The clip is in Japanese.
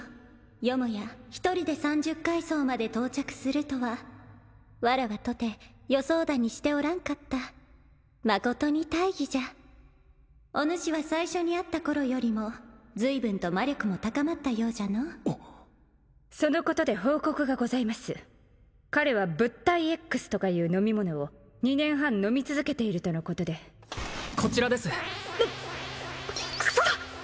よもや１人で三十階層まで到着するとはわらわとて予想だにしておらんかった誠に大儀じゃおぬしは最初に会った頃よりも随分と魔力も高まったようじゃのそのことで報告がございます彼は物体Ｘとかいう飲み物を２年半飲み続けているとのことでこちらですクサッ！